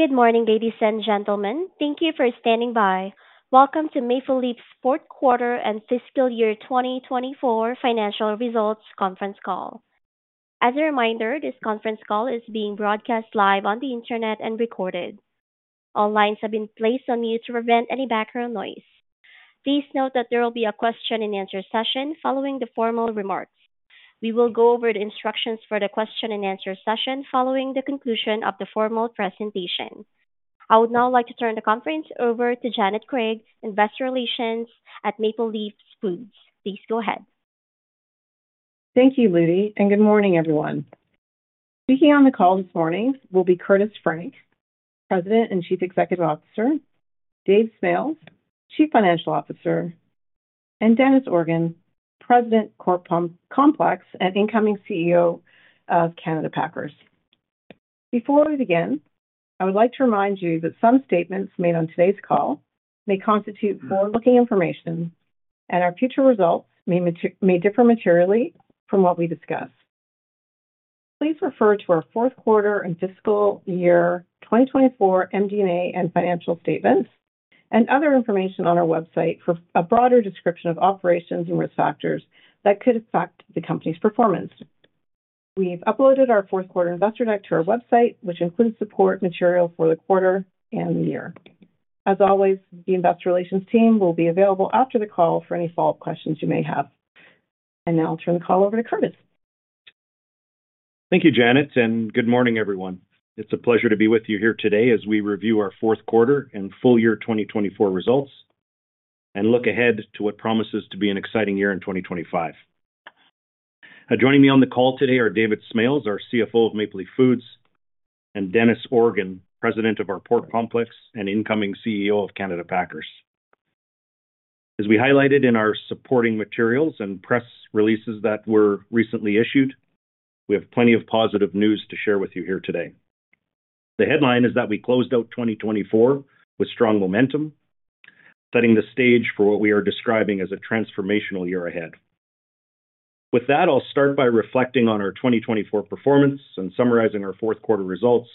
Good morning, ladies and gentlemen. Thank you for standing by. Welcome to Maple Leaf Foods' Fourth Quarter and Fiscal Year 2024 Financial Results Conference Call. As a reminder, this conference call is being broadcast live on the internet and recorded. All lines have been placed on mute to prevent any background noise. Please note that there will be a question-and-answer session following the formal remarks. We will go over the instructions for the question-and-answer session following the conclusion of the formal presentation. I would now like to turn the conference over to Janet Craig, Investor Relations at Maple Leaf Foods. Please go ahead. Thank you, Lily, and good morning, everyone. Speaking on the call this morning will be Curtis Frank, President and Chief Executive Officer, Dave Smales, Chief Financial Officer, and Dennis Organ, President, Pork Complex and incoming CEO of Canada Packers. Before we begin, I would like to remind you that some statements made on today's call may constitute forward-looking information, and our future results may differ materially from what we discuss. Please refer to our fourth quarter and fiscal year 2024 MD&A and Financial Statements and other information on our website for a broader description of operations and risk factors that could affect the company's performance. We've uploaded our Fourth Quarter Investor Deck to our website, which includes support material for the quarter and the year. As always, the Investor Relations team will be available after the call for any follow-up questions you may have. Now I'll turn the call over to Curtis. Thank you, Janet, and good morning, everyone. It's a pleasure to be with you here today as we review our Fourth Quarter and Full Year 2024 results and look ahead to what promises to be an exciting year in 2025. Joining me on the call today are David Smales, our Chief Financial Officer of Maple Leaf Foods, and Dennis Organ, President of our Pork Complex and incoming Chief Executive Officer of Canada Packers. As we highlighted in our supporting materials and press releases that were recently issued, we have plenty of positive news to share with you here today. The headline is that we closed out 2024 with strong momentum, setting the stage for what we are describing as a transformational year ahead. With that, I'll start by reflecting on our 2024 performance and summarizing our Fourth Quarter results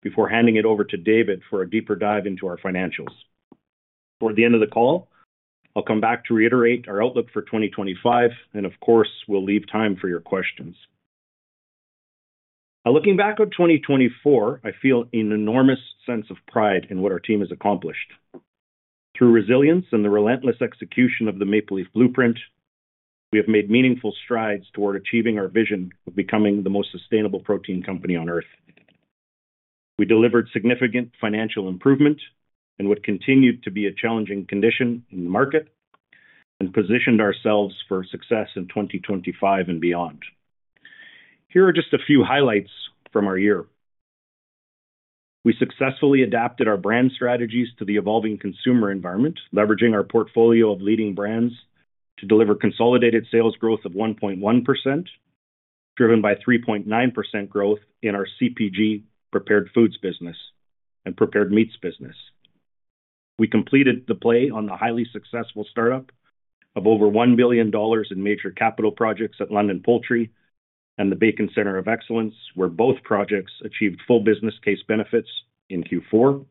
before handing it over to David for a deeper dive into our financials. Toward the end of the call, I'll come back to reiterate our outlook for 2025, and of course, we'll leave time for your questions. Looking back on 2024, I feel an enormous sense of pride in what our team has accomplished. Through resilience and the relentless execution of the Maple Leaf Blueprint, we have made meaningful strides toward achieving our vision of becoming the most sustainable protein company on Earth. We delivered significant financial improvement in what continued to be a challenging condition in the market and positioned ourselves for success in 2025 and beyond. Here are just a few highlights from our year. We successfully adapted our brand strategies to the evolving consumer environment, leveraging our portfolio of leading brands to deliver consolidated sales growth of 1.1%, driven by 3.9% growth in our CPG, Prepared Foods business, and Prepared Meats business. We completed the play on the highly successful startup of over 1 billion dollars in major capital projects at London Poultry and the Bacon Centre of Excellence, where both projects achieved full business case benefits in Q4.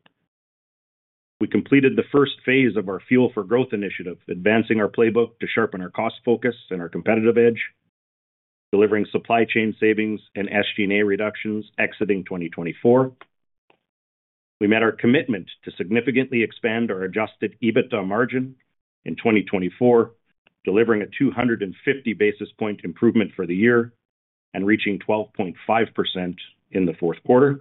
We completed the first phase of our Fuel for Growth initiative, advancing our playbook to sharpen our cost focus and our competitive edge, delivering supply chain savings and SG&A reductions exiting 2024. We met our commitment to significantly expand our Adjusted EBITDA margin in 2024, delivering a 250 basis points improvement for the year and reaching 12.5% in the fourth quarter.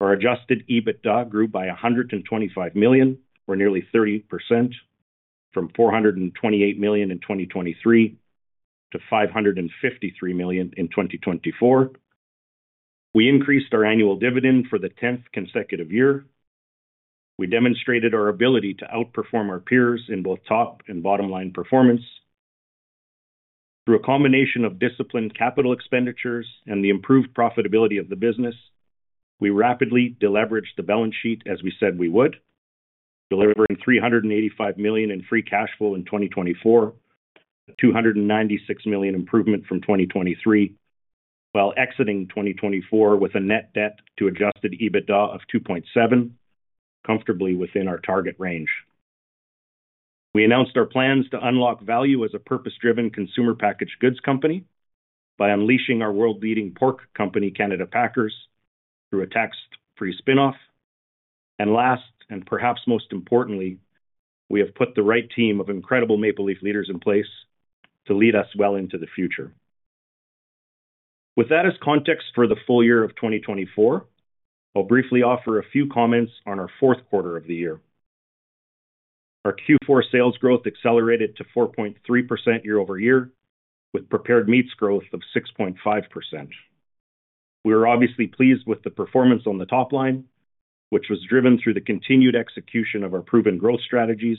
Our Adjusted EBITDA grew by 125 million, or nearly 30%, from 428 million in 2023 to 553 million in 2024. We increased our annual dividend for the 10th consecutive year. We demonstrated our ability to outperform our peers in both top and bottom line performance. Through a combination of disciplined capital expenditures and the improved profitability of the business, we rapidly deleveraged the balance sheet as we said we would, delivering 385 million in free cash flow in 2024, a 296 million improvement from 2023, while exiting 2024 with a net debt to Adjusted EBITDA of 2.7, comfortably within our target range. We announced our plans to unlock value as a purpose-driven consumer packaged goods company by unleashing our world-leading Pork company, Canada Packers, through a tax-free spinoff. And last, and perhaps most importantly, we have put the right team of incredible Maple Leaf leaders in place to lead us well into the future. With that as context for the full year of 2024, I'll briefly offer a few comments on our fourth quarter of the year. Our Q4 sales growth accelerated to 4.3% year-over-year, with Prepared Meats growth of 6.5%. We were obviously pleased with the performance on the top line, which was driven through the continued execution of our proven growth strategies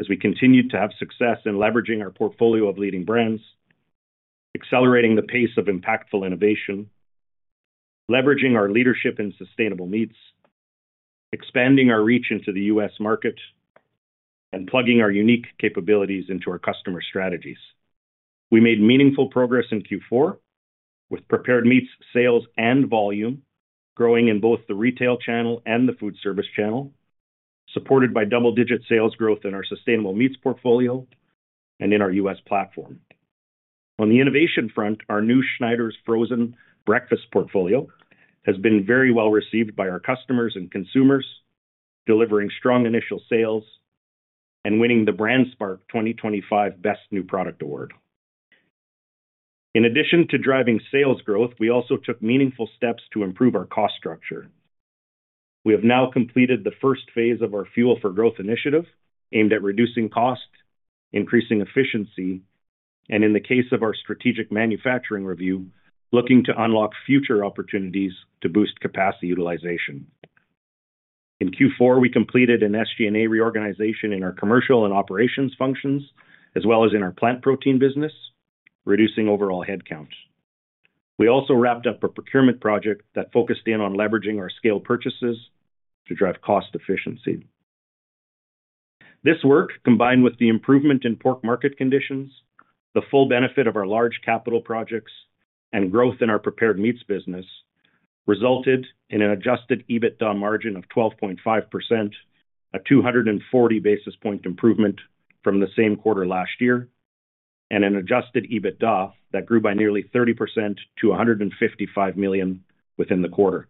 as we continued to have success in leveraging our portfolio of leading brands, accelerating the pace of impactful innovation, leveraging our leadership in sustainable meats, expanding our reach into the U.S. market, and plugging our unique capabilities into our customer strategies. We made meaningful progress in Q4, with Prepared Meats sales and volume growing in both the retail channel and the foodservice channel, supported by double-digit sales growth in our sustainable meats portfolio and in our U.S. platform. On the innovation front, our new Schneiders Frozen Breakfast portfolio has been very well received by our customers and consumers, delivering strong initial sales and winning the BrandSpark 2025 Best New Product Award. In addition to driving sales growth, we also took meaningful steps to improve our cost structure. We have now completed the first phase of our Fuel for Growth initiative, aimed at reducing cost, increasing efficiency, and in the case of our strategic manufacturing review, looking to unlock future opportunities to boost capacity utilization. In Q4, we completed an SG&A reorganization in our commercial and operations functions, as well as in our Plant Protein business, reducing overall headcount. We also wrapped up a procurement project that focused in on leveraging our scale purchases to drive cost efficiency. This work, combined with the improvement in Pork market conditions, the full benefit of our large capital projects, and growth in our Prepared Meats business, resulted in an Adjusted EBITDA margin of 12.5%, a 240 basis points improvement from the same quarter last year, and an Adjusted EBITDA that grew by nearly 30% to 155 million within the quarter.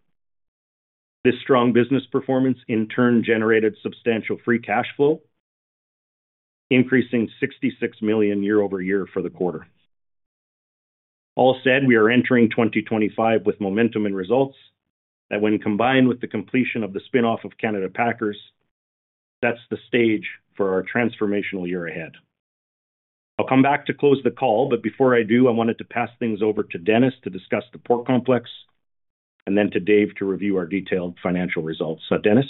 This strong business performance, in turn, generated substantial free cash flow, increasing 66 million year-over-year for the quarter. All said, we are entering 2025 with momentum in results that, when combined with the completion of the spinoff of Canada Packers, sets the stage for our transformational year ahead. I'll come back to close the call, but before I do, I wanted to pass things over to Dennis to discuss the Pork Complex and then to Dave to review our detailed financial results. So, Dennis.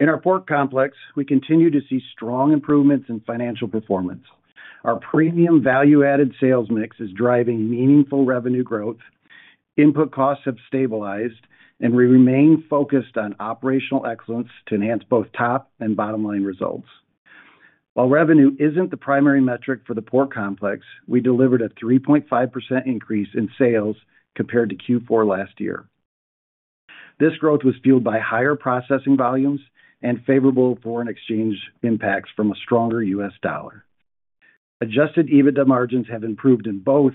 In our Pork Complex, we continue to see strong improvements in financial performance. Our premium value-added sales mix is driving meaningful revenue growth. Input costs have stabilized, and we remain focused on operational excellence to enhance both top and bottom line results. While revenue isn't the primary metric for the Pork Complex, we delivered a 3.5% increase in sales compared to Q4 last year. This growth was fueled by higher processing volumes and favorable foreign exchange impacts from a stronger U.S. dollar. Adjusted EBITDA margins have improved in both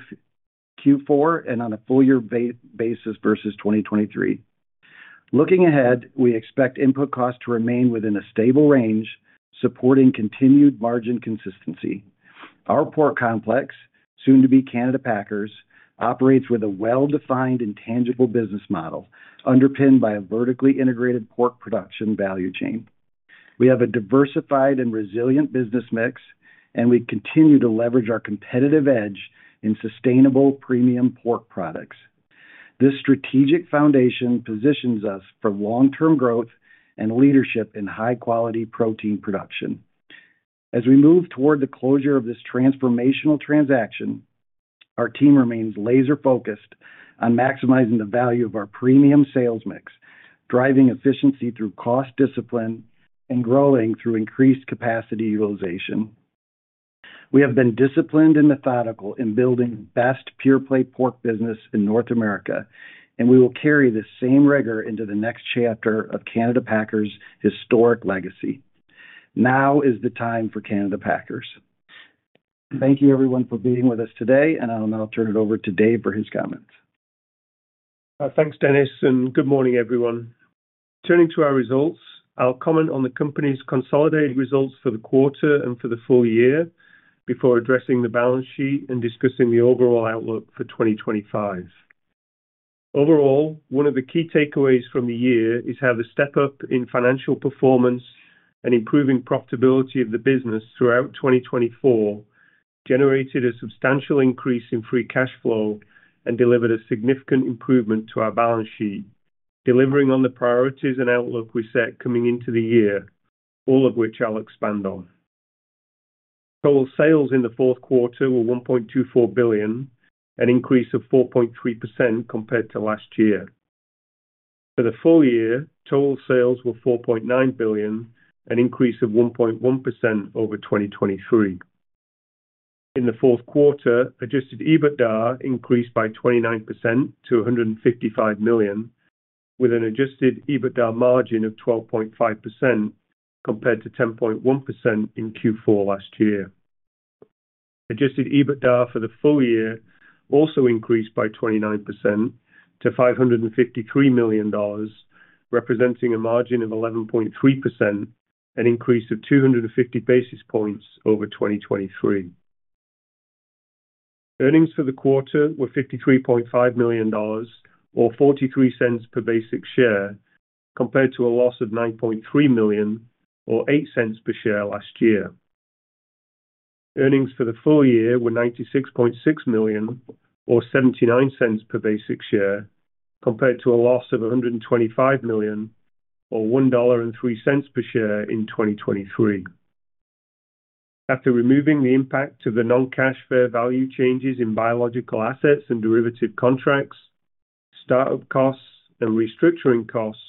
Q4 and on a full-year basis versus 2023. Looking ahead, we expect input costs to remain within a stable range, supporting continued margin consistency. Our Pork Complex, soon to be Canada Packers, operates with a well-defined and tangible business model, underpinned by a vertically integrated Pork production value chain. We have a diversified and resilient business mix, and we continue to leverage our competitive edge in sustainable premium Pork products. This strategic foundation positions us for long-term growth and leadership in high-quality protein production. As we move toward the closure of this transformational transaction, our team remains laser-focused on maximizing the value of our premium sales mix, driving efficiency through cost discipline and growing through increased capacity utilization. We have been disciplined and methodical in building the best pure-play Pork business in North America, and we will carry the same rigor into the next chapter of Canada Packers' historic legacy. Now is the time for Canada Packers. Thank you, everyone, for being with us today, and I'll now turn it over to Dave for his comments. Thanks, Dennis, and good morning, everyone. Turning to our results, I'll comment on the company's consolidated results for the quarter and for the full year before addressing the balance sheet and discussing the overall outlook for 2025. Overall, one of the key takeaways from the year is how the step-up in financial performance and improving profitability of the business throughout 2024 generated a substantial increase in free cash flow and delivered a significant improvement to our balance sheet, delivering on the priorities and outlook we set coming into the year, all of which I'll expand on. Total sales in the fourth quarter were 1.24 billion, an increase of 4.3% compared to last year. For the full year, total sales were 4.9 billion, an increase of 1.1% over 2023. In the fourth quarter, Adjusted EBITDA increased by 29% to 155 million, with an Adjusted EBITDA margin of 12.5% compared to 10.1% in Q4 last year. Adjusted EBITDA for the full year also increased by 29% to 553 million dollars, representing a margin of 11.3%, an increase of 250 basis points over 2023. Earnings for the quarter were 53.5 million dollars, or 0.43 per basic share, compared to a loss of 9.3 million, or 0.08 per share last year. Earnings for the full year were 96.6 million, or 0.79 per basic share, compared to a loss of 125 million, or 1.03 dollar per share in 2023. After removing the impact of the non-cash fair value changes in biological assets and derivative contracts, startup costs, and restructuring costs,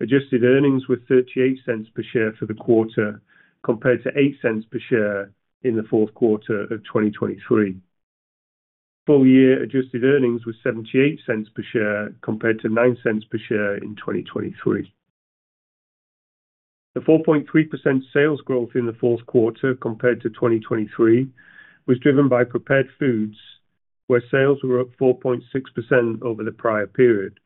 adjusted earnings were 0.38 per share for the quarter, compared to 0.08 per share in the fourth quarter of 2023. Full-year adjusted earnings were 0.78 per share, compared to 0.09 per share in 2023. The 4.3% sales growth in the fourth quarter, compared to 2023, was driven by Prepared Foods, where sales were up 4.6% over the prior period.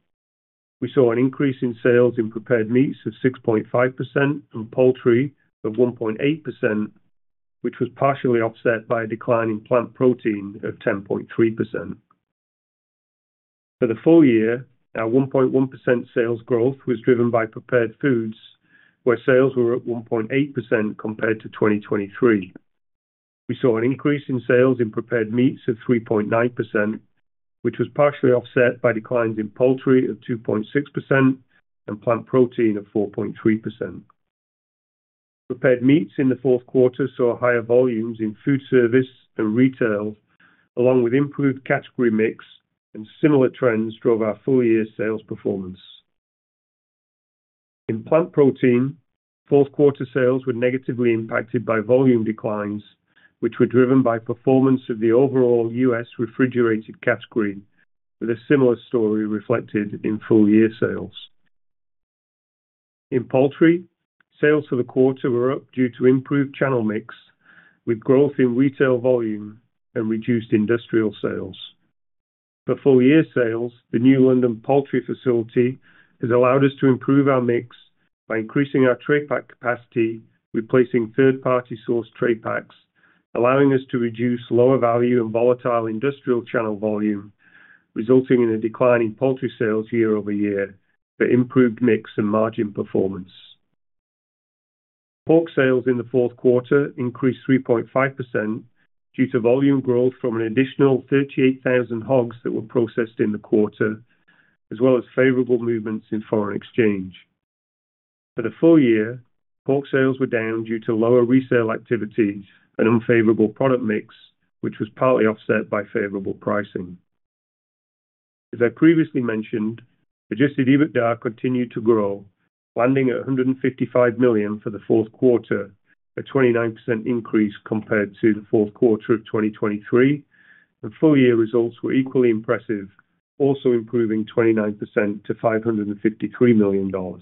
We saw an increase in sales in Prepared Meats of 6.5% and Poultry of 1.8%, which was partially offset by a decline in Plant Protein of 10.3%. For the full year, our 1.1% sales growth was driven by Prepared Foods, where sales were up 1.8% compared to 2023. We saw an increase in sales in Prepared Meats of 3.9%, which was partially offset by declines in Poultry of 2.6% and Plant Protein of 4.3%. Prepared Meats in the fourth quarter saw higher volumes in foodservice and retail, along with improved category mix, and similar trends drove our full-year sales performance. In Plant Protein, fourth quarter sales were negatively impacted by volume declines, which were driven by performance of the overall U.S. refrigerated category, with a similar story reflected in full-year sales. In Poultry, sales for the quarter were up due to improved channel mix, with growth in retail volume and reduced industrial sales. For full-year sales, the new London Poultry facility has allowed us to improve our mix by increasing our tray pack capacity, replacing third-party source tray packs, allowing us to reduce lower value and volatile industrial channel volume, resulting in a decline in Poultry sales year-over-year for improved mix and margin performance. Pork sales in the fourth quarter increased 3.5% due to volume growth from an additional 38,000 hogs that were processed in the quarter, as well as favorable movements in foreign exchange. For the full year, Pork sales were down due to lower resale activities and unfavorable product mix, which was partly offset by favorable pricing. As I previously mentioned, Adjusted EBITDA continued to grow, landing at $155 million for the fourth quarter, a 29% increase compared to the fourth quarter of 2023, and full-year results were equally impressive, also improving 29% to $553 million. For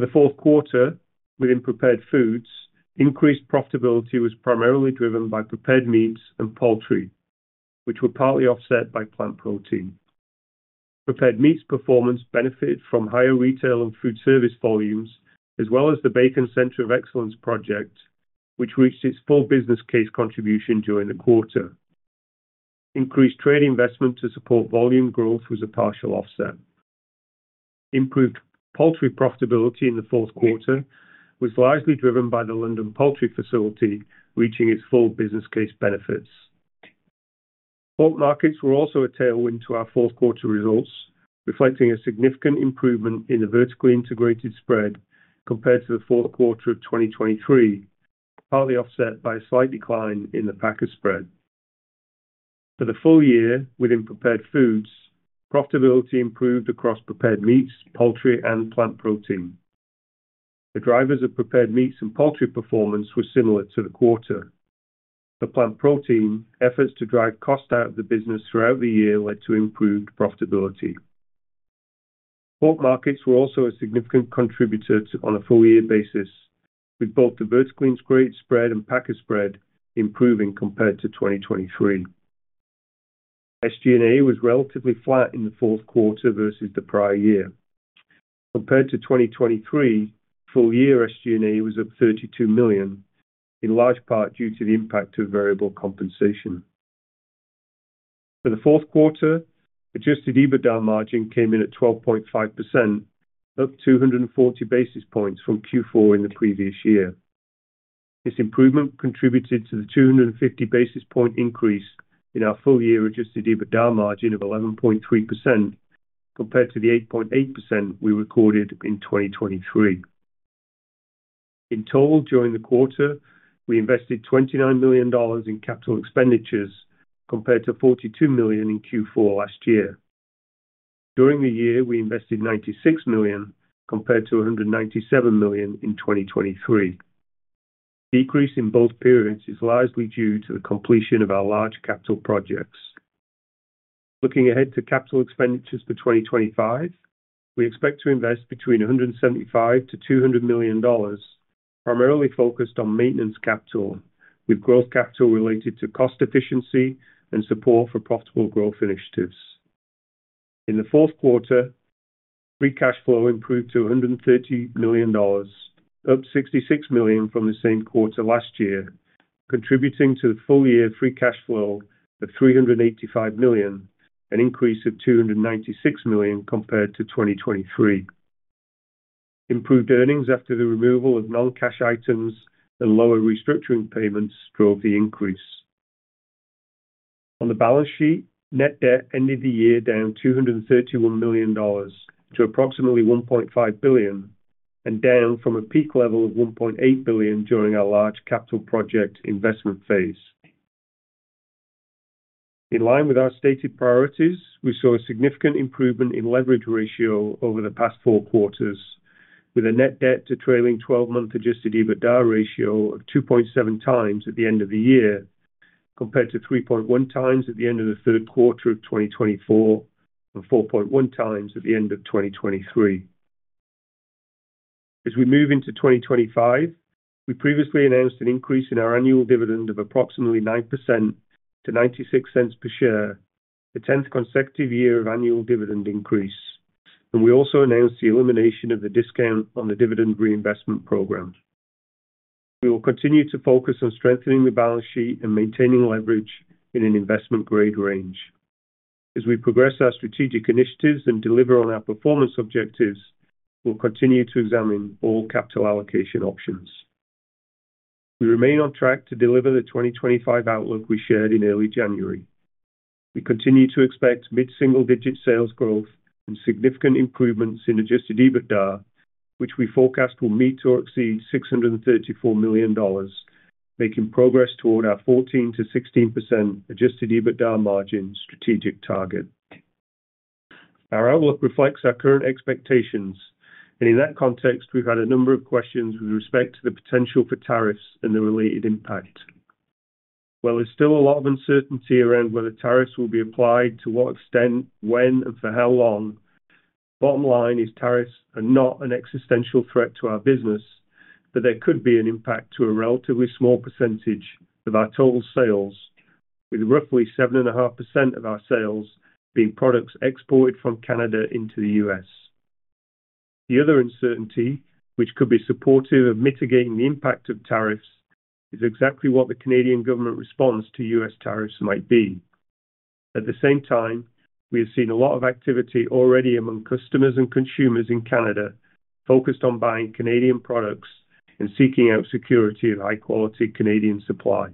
the fourth quarter, within Prepared Foods, increased profitability was primarily driven by Prepared Meats and Poultry, which were partly offset by Plant Protein. Prepared meats performance benefited from higher retail and foodservice volumes, as well as the Bacon Centre of Excellence project, which reached its full business case contribution during the quarter. Increased trade investment to support volume growth was a partial offset. Improved Poultry profitability in the fourth quarter was largely driven by the London Poultry facility reaching its full business case benefits. Pork markets were also a tailwind to our fourth quarter results, reflecting a significant improvement in the vertically integrated spread compared to the fourth quarter of 2023, partly offset by a slight decline in the packer spread. For the full year, within Prepared Foods, profitability improved across Prepared Meats, Poultry, and Plant Protein. The drivers of Prepared Meats and Poultry performance were similar to the quarter. For Plant Protein, efforts to drive cost out of the business throughout the year led to improved profitability. Pork markets were also a significant contributor on a full-year basis, with both the vertically integrated spread and packer spread improving compared to 2023. SG&A was relatively flat in the fourth quarter versus the prior year. Compared to 2023, full-year SG&A was up 32 million, in large part due to the impact of variable compensation. For the fourth quarter, Adjusted EBITDA margin came in at 12.5%, up 240 basis points from Q4 in the previous year. This improvement contributed to the 250 basis point increase in our full-year Adjusted EBITDA margin of 11.3% compared to the 8.8% we recorded in 2023. In total, during the quarter, we invested 29 million dollars in capital expenditures compared to 42 million in Q4 last year. During the year, we invested 96 million compared to 197 million in 2023. Decrease in both periods is largely due to the completion of our large capital projects. Looking ahead to capital expenditures for 2025, we expect to invest between 175 million-200 million dollars, primarily focused on maintenance capital, with growth capital related to cost efficiency and support for profitable growth initiatives. In the fourth quarter, free cash flow improved to 130 million dollars, up 66 million from the same quarter last year, contributing to the full-year free cash flow of 385 million, an increase of 296 million compared to 2023. Improved earnings after the removal of non-cash items and lower restructuring payments drove the increase. On the balance sheet, net debt ended the year down 231 million dollars to approximately 1.5 billion, and down from a peak level of 1.8 billion during our large capital project investment phase. In line with our stated priorities, we saw a significant improvement in leverage ratio over the past four quarters, with a net debt to trailing 12-month Adjusted EBITDA ratio of 2.7x at the end of the year, compared to 3.1x at the end of the third quarter of 2024 and 4.1x at the end of 2023. As we move into 2025, we previously announced an increase in our annual dividend of approximately 9% to $0.96 per share, the 10th consecutive year of annual dividend increase, and we also announced the elimination of the discount on the dividend reinvestment program. We will continue to focus on strengthening the balance sheet and maintaining leverage in an investment-grade range. As we progress our strategic initiatives and deliver on our performance objectives, we'll continue to examine all capital allocation options. We remain on track to deliver the 2025 outlook we shared in early January. We continue to expect mid-single-digit sales growth and significant improvements in Adjusted EBITDA, which we forecast will meet or exceed $634 million, making progress toward our 14%-16% Adjusted EBITDA Margin strategic target. Our outlook reflects our current expectations, and in that context, we've had a number of questions with respect to the potential for tariffs and the related impact. While there's still a lot of uncertainty around whether tariffs will be applied, to what extent, when, and for how long, the bottom line is tariffs are not an existential threat to our business, but there could be an impact to a relatively small percentage of our total sales, with roughly 7.5% of our sales being products exported from Canada into the U.S. The other uncertainty, which could be supportive of mitigating the impact of tariffs, is exactly what the Canadian government response to U.S. tariffs might be. At the same time, we have seen a lot of activity already among customers and consumers in Canada focused on buying Canadian products and seeking out security of high-quality Canadian supply.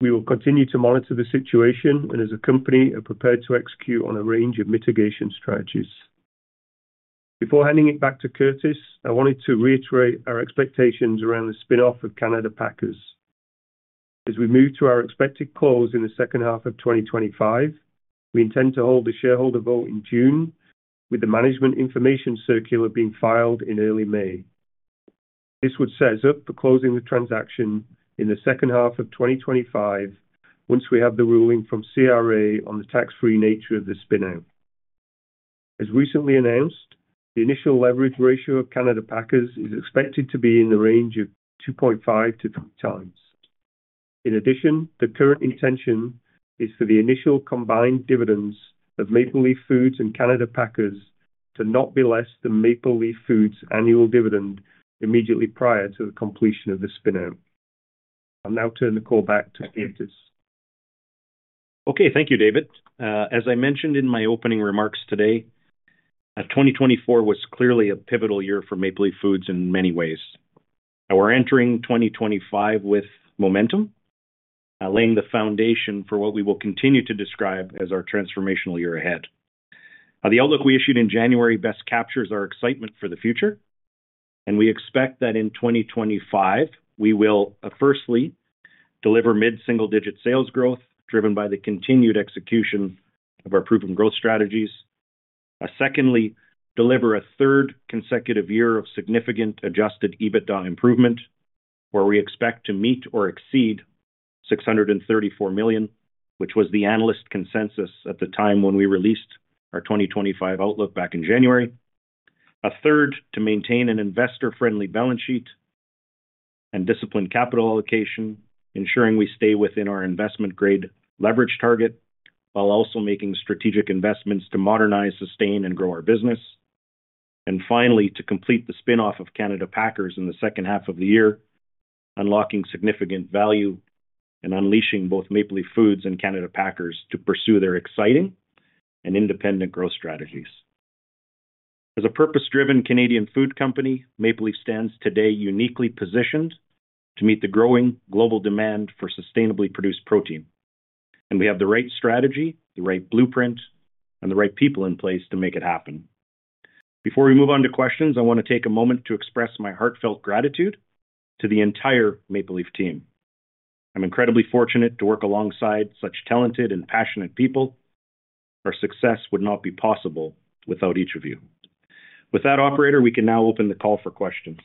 We will continue to monitor the situation and, as a company, are prepared to execute on a range of mitigation strategies. Before handing it back to Curtis, I wanted to reiterate our expectations around the spinoff of Canada Packers. As we move to our expected close in the second half of 2025, we intend to hold the shareholder vote in June, with the management information circular being filed in early May. This would set us up for closing the transaction in the second half of 2025 once we have the ruling from CRA on the tax-free nature of the spinout. As recently announced, the initial leverage ratio of Canada Packers is expected to be in the range of 2.5x-3.0x.. In addition, the current intention is for the initial combined dividends of Maple Leaf Foods and Canada Packers to not be less than Maple Leaf Foods' annual dividend immediately prior to the completion of the spinout. I'll now turn the call back to Curtis. Okay, thank you, David. As I mentioned in my opening remarks today, 2024 was clearly a pivotal year for Maple Leaf Foods in many ways. We're entering 2025 with momentum, laying the foundation for what we will continue to describe as our transformational year ahead. The outlook we issued in January best captures our excitement for the future, and we expect that in 2025, we will, firstly, deliver mid-single-digit sales growth driven by the continued execution of our proven growth strategies. Secondly, deliver a third consecutive year of significant Adjusted EBITDA improvement, where we expect to meet or exceed $634 million, which was the analyst consensus at the time when we released our 2025 outlook back in January. Third, to maintain an investor-friendly balance sheet and disciplined capital allocation, ensuring we stay within our investment-grade leverage target while also making strategic investments to modernize, sustain, and grow our business. And finally, to complete the spinoff of Canada Packers in the second half of the year, unlocking significant value and unleashing both Maple Leaf Foods and Canada Packers to pursue their exciting and independent growth strategies. As a purpose-driven Canadian food company, Maple Leaf stands today uniquely positioned to meet the growing global demand for sustainably produced protein, and we have the right strategy, the right blueprint, and the right people in place to make it happen. Before we move on to questions, I want to take a moment to express my heartfelt gratitude to the entire Maple Leaf team. I'm incredibly fortunate to work alongside such talented and passionate people. Our success would not be possible without each of you. With that, Operator, we can now open the call for questions.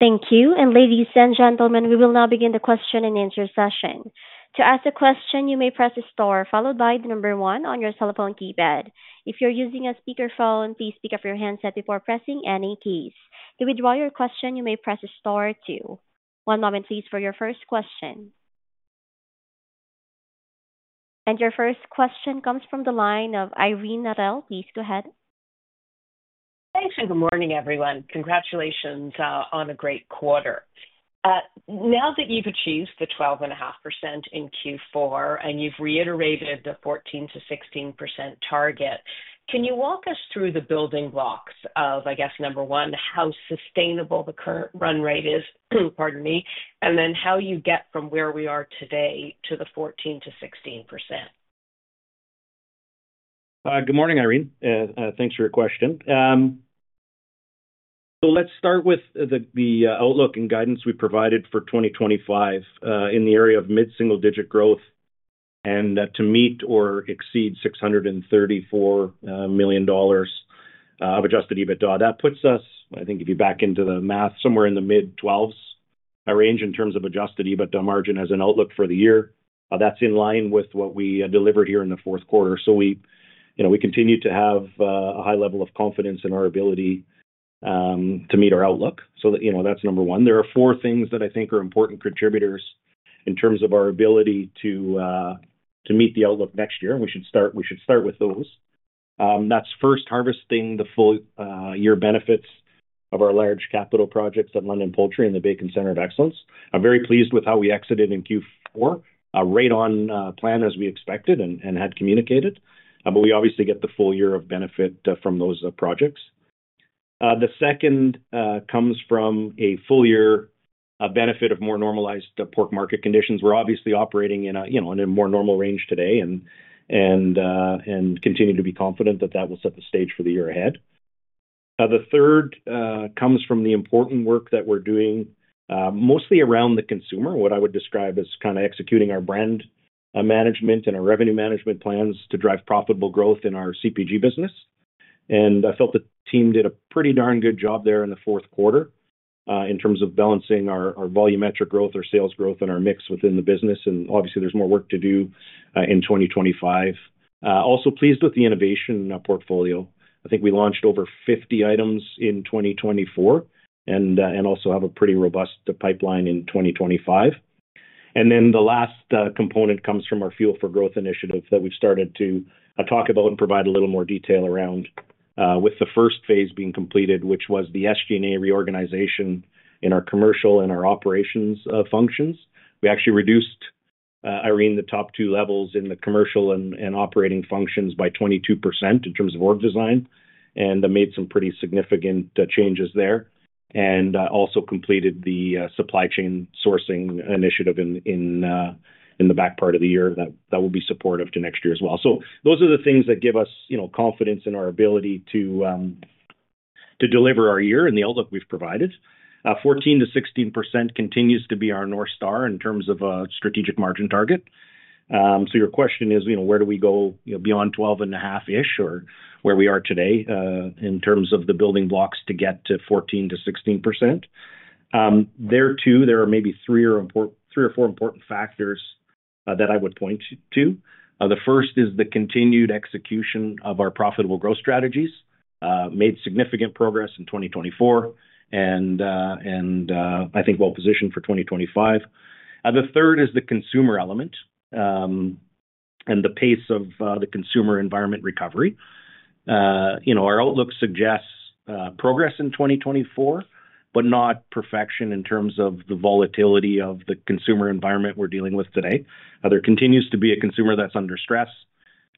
Thank you. And ladies and gentlemen, we will now begin the question and answer session. To ask a question, you may press the star followed by the number one on your cell phone keypad. If you're using a speakerphone, please pick up your handset before pressing any keys. To withdraw your question, you may press star two. One moment, please, for your first question. And your first question comes from the line of Irene Nattel. Please go ahead. Thanks, and good morning, everyone. Congratulations on a great quarter. Now that you've achieved the 12.5% in Q4 and you've reiterated the 14%-16% target, can you walk us through the building blocks of, I guess, number one, how sustainable the current run rate is, pardon me, and then how you get from where we are today to the 14%-16%? Good morning, Irene. Thanks for your question. So let's start with the outlook and guidance we provided for 2025 in the area of mid-single-digit growth and to meet or exceed 634 million dollars of Adjusted EBITDA. That puts us, I think, if you back into the math, somewhere in the mid-12s range in terms of Adjusted EBITDA margin as an outlook for the year. That's in line with what we delivered here in the fourth quarter. So we continue to have a high level of confidence in our ability to meet our outlook. So that's number one. There are four things that I think are important contributors in terms of our ability to meet the outlook next year, and we should start with those. That's first, harvesting the full-year benefits of our large capital projects at London Poultry and the Bacon Centre of Excellence. I'm very pleased with how we exited in Q4, right on plan as we expected and had communicated, but we obviously get the full year of benefit from those projects. The second comes from a full-year benefit of more normalized Pork market conditions. We're obviously operating in a more normal range today and continue to be confident that that will set the stage for the year ahead. The third comes from the important work that we're doing mostly around the consumer, what I would describe as kind of executing our brand management and our revenue management plans to drive profitable growth in our CPG business. And I felt the team did a pretty darn good job there in the fourth quarter in terms of balancing our volumetric growth, our sales growth, and our mix within the business. And obviously, there's more work to do in 2025. Also pleased with the innovation portfolio. I think we launched over 50 items in 2024 and also have a pretty robust pipeline in 2025. And then the last component comes from our Fuel for Growth initiative that we've started to talk about and provide a little more detail around, with the first phase being completed, which was the SG&A reorganization in our commercial and our operations functions. We actually reduced, Irene, the top two levels in the commercial and operating functions by 22% in terms of org design, and made some pretty significant changes there, and also completed the supply chain sourcing initiative in the back part of the year that will be supportive to next year as well, so those are the things that give us confidence in our ability to deliver our year and the outlook we've provided. 14%-16% continues to be our North Star in terms of a strategic margin target, so your question is, where do we go beyond 12.5-ish or where we are today in terms of the building blocks to get to 14%-16%? There too, there are maybe three or four important factors that I would point to. The first is the continued execution of our profitable growth strategies, made significant progress in 2024, and I think well-positioned for 2025. The third is the consumer element and the pace of the consumer environment recovery. Our outlook suggests progress in 2024, but not perfection in terms of the volatility of the consumer environment we're dealing with today. There continues to be a consumer that's under stress.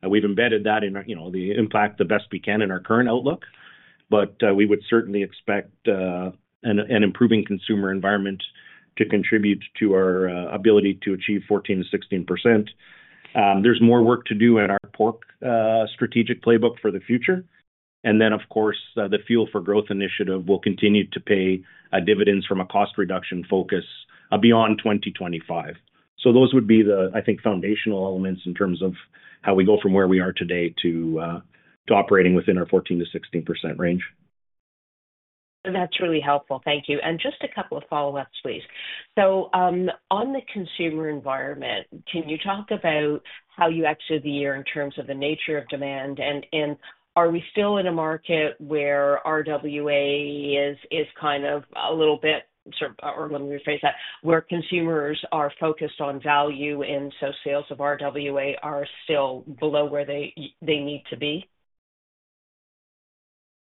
We've embedded that in the impact the best we can in our current outlook, but we would certainly expect an improving consumer environment to contribute to our ability to achieve 14%-16%. There's more work to do in our Pork strategic playbook for the future. And then, of course, the Fuel for Growth initiative will continue to pay dividends from a cost reduction focus beyond 2025. So those would be the, I think, foundational elements in terms of how we go from where we are today to operating within our 14%-16% range. That's really helpful. Thank you. And just a couple of follow-ups, please. So on the consumer environment, can you talk about how you exited the year in terms of the nature of demand? And are we still in a market where RWA is kind of a little bit-or let me rephrase that-where consumers are focused on value and so sales of RWA are still below where they need to be?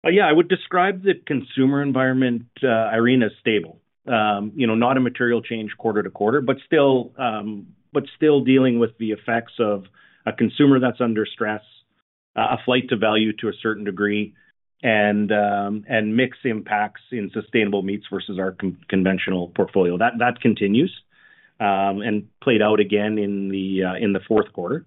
Yeah. I would describe the consumer environment, Irene, as stable. Not a material change quarter to quarter, but still dealing with the effects of a consumer that's under stress, a flight to value to a certain degree, and mixed impacts in sustainable meats versus our conventional portfolio. That continues and played out again in the fourth quarter.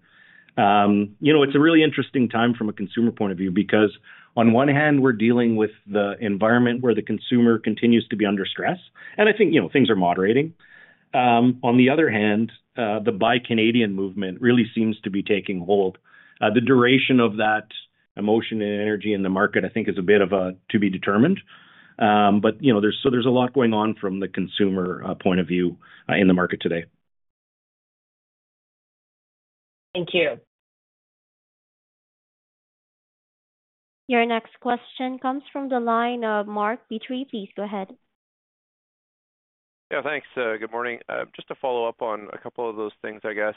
It's a really interesting time from a consumer point of view because, on one hand, we're dealing with the environment where the consumer continues to be under stress, and I think things are moderating. On the other hand, the Buy Canadian movement really seems to be taking hold. The duration of that emotion and energy in the market, I think, is a bit of a to-be-determined, but there's a lot going on from the consumer point of view in the market today. Thank you. Your next question comes from the line of Mark Petrie. Please go ahead. Yeah. Thanks. Good morning. Just to follow up on a couple of those things, I guess.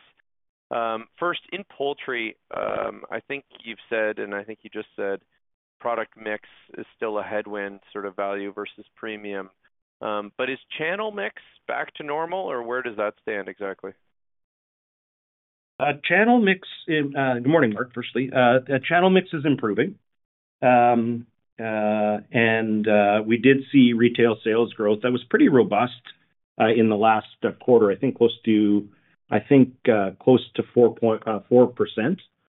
First, in Poultry, I think you've said, and I think you just said, the product mix is still a headwind sort of value versus premium. Is channel mix back to normal, or where does that stand exactly? Channel mix. Good morning, Mark, firstly. Channel mix is improving, and we did see retail sales growth that was pretty robust in the last quarter, I think close to 4%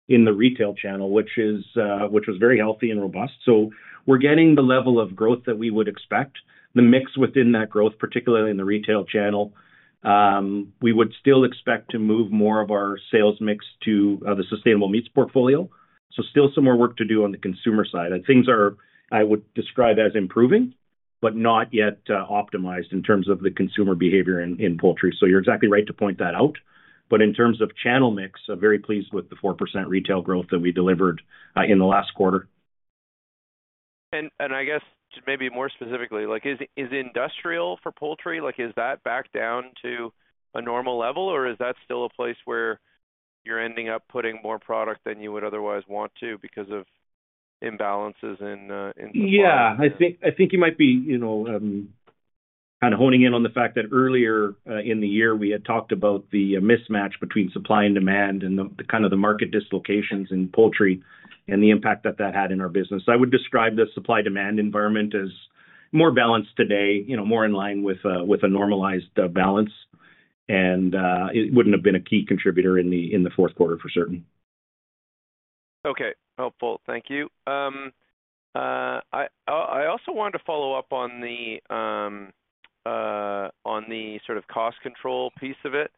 in the retail channel, which was very healthy and robust. So we're getting the level of growth that we would expect. The mix within that growth, particularly in the retail channel, we would still expect to move more of our sales mix to the sustainable meats portfolio. So still some more work to do on the consumer side. And things are, I would describe as improving, but not yet optimized in terms of the consumer behavior in Poultry. So you're exactly right to point that out. But in terms of channel mix, very pleased with the 4% retail growth that we delivered in the last quarter. And I guess maybe more specifically, is industrial for Poultry, is that back down to a normal level, or is that still a place where you're ending up putting more product than you would otherwise want to because of imbalances in supply? Yeah. I think you might be kind of honing in on the fact that earlier in the year, we had talked about the mismatch between supply and demand and kind of the market dislocations in Poultry and the impact that that had in our business. I would describe the supply-demand environment as more balanced today, more in line with a normalized balance, and it wouldn't have been a key contributor in the fourth quarter for certain. Okay. Helpful. Thank you. I also wanted to follow up on the sort of cost control piece of it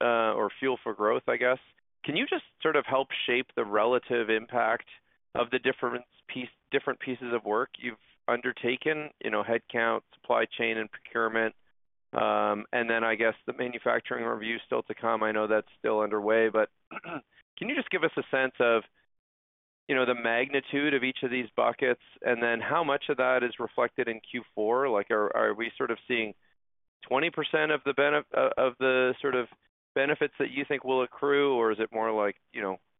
or fuel for growth, I guess. Can you just sort of help shape the relative impact of the different pieces of work you've undertaken, headcount, supply chain, and procurement? And then I guess the manufacturing review is still to come. I know that's still underway, but can you just give us a sense of the magnitude of each of these buckets and then how much of that is reflected in Q4? Are we sort of seeing 20% of the sort of benefits that you think will accrue, or is it more like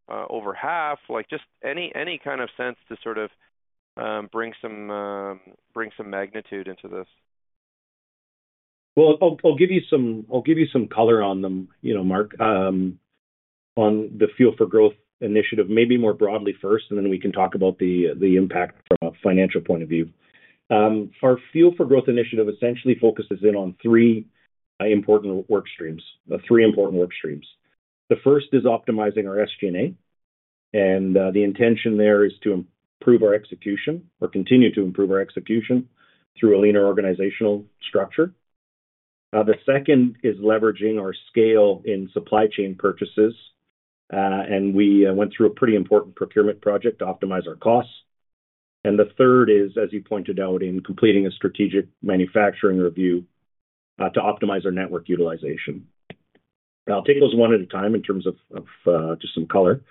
over half? Just any kind of sense to sort of bring some magnitude into this. I'll give you some color on them, Mark, on the Fuel for Growth initiative, maybe more broadly first, and then we can talk about the impact from a financial point of view. Our Fuel for Growth initiative essentially focuses in on three important work streams, three important work streams. The first is optimizing our SG&A, and the intention there is to improve our execution or continue to improve our execution through a leaner organizational structure. The second is leveraging our scale in supply chain purchases, and we went through a pretty important procurement project to optimize our costs. And the third is, as you pointed out, in completing a strategic manufacturing review to optimize our network utilization. I'll take those one at a time in terms of just some color.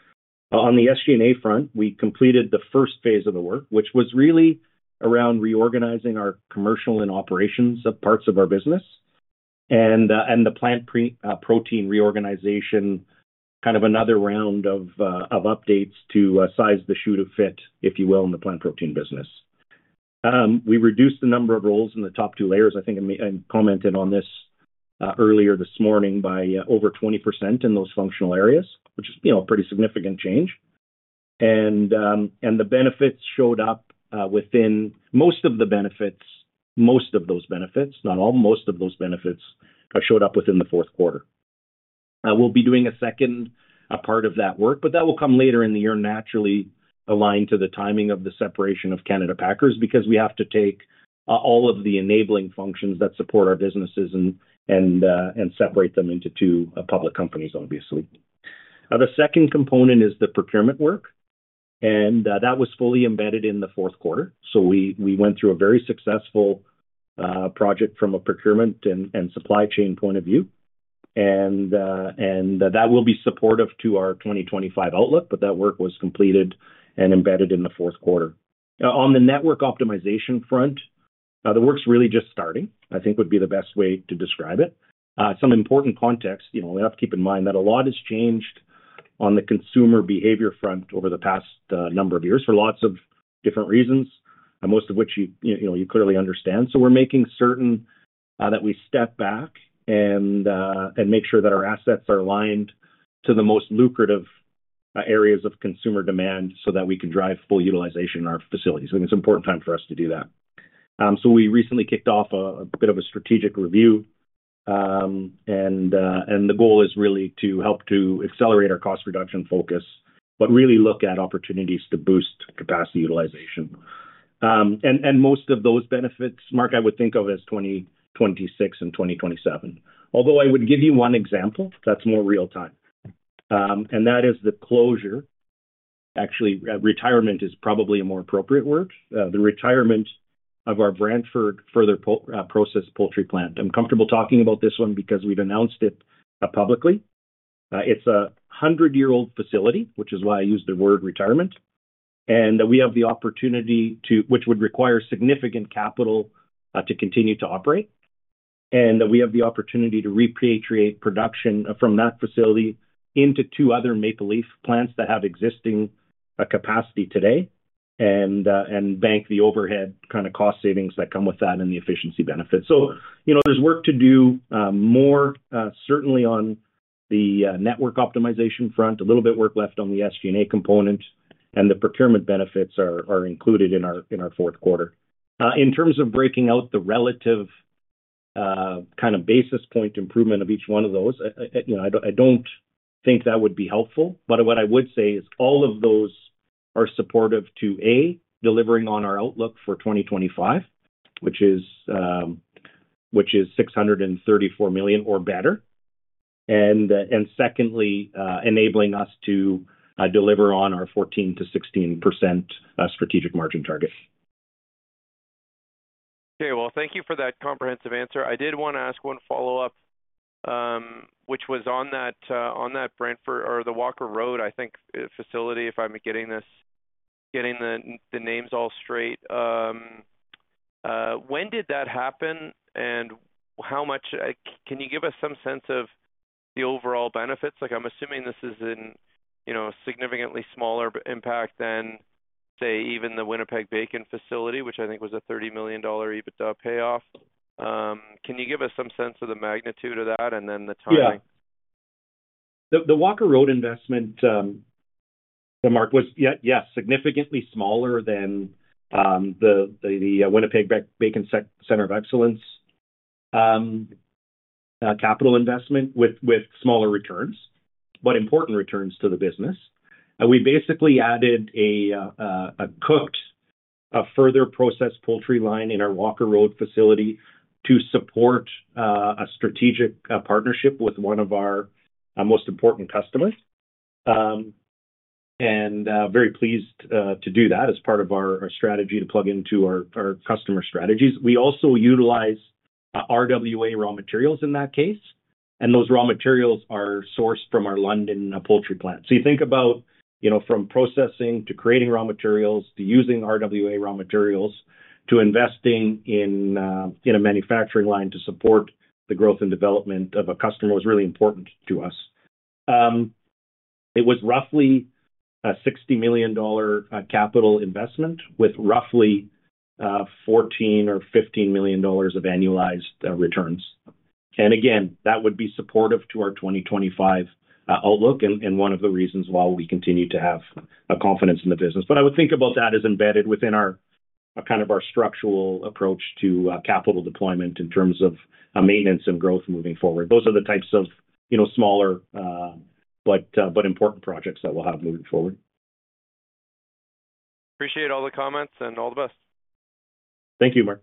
On the SG&A front, we completed the first phase of the work, which was really around reorganizing our commercial and operations of parts of our business and the Plant Protein reorganization, kind of another round of updates to size the shoe to fit, if you will, in the Plant Protein business. We reduced the number of roles in the top two layers. I think I commented on this earlier, this morning, by over 20% in those functional areas, which is a pretty significant change, and the benefits showed up within most of those benefits, not all, within the fourth quarter. We'll be doing a second part of that work, but that will come later in the year, naturally aligned to the timing of the separation of Canada Packers because we have to take all of the enabling functions that support our businesses and separate them into two public companies, obviously. The second component is the procurement work, and that was fully embedded in the fourth quarter. So we went through a very successful project from a procurement and supply chain point of view, and that will be supportive to our 2025 outlook, but that work was completed and embedded in the fourth quarter. On the network optimization front, the work's really just starting, I think would be the best way to describe it. Some important context, we have to keep in mind that a lot has changed on the consumer behavior front over the past number of years for lots of different reasons, most of which you clearly understand. So we're making certain that we step back and make sure that our assets are aligned to the most lucrative areas of consumer demand so that we can drive full utilization in our facilities. I think it's an important time for us to do that. So we recently kicked off a bit of a strategic review, and the goal is really to help to accelerate our cost reduction focus, but really look at opportunities to boost capacity utilization. And most of those benefits, Mark, I would think of as 2026 and 2027. Although I would give you one example that's more real-time, and that is the closure. Actually, retirement is probably a more appropriate word. The retirement of our Brantford further processed Poultry plant. I'm comfortable talking about this one because we've announced it publicly. It's a 100-year-old facility, which is why I use the word retirement. And we have the opportunity to, which would require significant capital to continue to operate, and we have the opportunity to repatriate production from that facility into two other Maple Leaf plants that have existing capacity today and bank the overhead kind of cost savings that come with that and the efficiency benefits. So there's work to do more, certainly on the network optimization front, a little bit work left on the SG&A component, and the procurement benefits are included in our fourth quarter. In terms of breaking out the relative kind of basis point improvement of each one of those, I don't think that would be helpful, but what I would say is all of those are supportive to, A, delivering on our outlook for 2025, which is 634 million or better, and secondly, enabling us to deliver on our 14%-16% strategic margin target. Okay. Well, thank you for that comprehensive answer. I did want to ask one follow-up, which was on that Brantford or the Walker Road, I think, facility, if I'm getting the names all straight. When did that happen, and how much can you give us some sense of the overall benefits? I'm assuming this is a significantly smaller impact than, say, even the Winnipeg Bacon facility, which I think was a 30 million dollar EBITDA payoff. Can you give us some sense of the magnitude of that and then the timing? Yeah. The Walker Road investment, Mark, was, yes, significantly smaller than the Winnipeg Bacon Centre of Excellence capital investment with smaller returns, but important returns to the business. We basically added a cooked further processed Poultry line in our Walker Road facility to support a strategic partnership with one of our most important customers, and very pleased to do that as part of our strategy to plug into our customer strategies. We also utilize RWA raw materials in that case, and those raw materials are sourced from our London Poultry plant, so you think about from processing to creating raw materials to using RWA raw materials to investing in a manufacturing line to support the growth and development of a customer was really important to us. It was roughly a 60 million dollar capital investment with roughly 14 or 15 million dollars of annualized returns. And again, that would be supportive to our 2025 outlook and one of the reasons why we continue to have confidence in the business. But I would think about that as embedded within kind of our structural approach to capital deployment in terms of maintenance and growth moving forward. Those are the types of smaller but important projects that we'll have moving forward. Appreciate all the comments and all the best. Thank you, Mark.